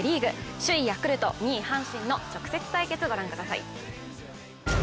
首位・ヤクルト、２位・阪神の直接対決、御覧ください。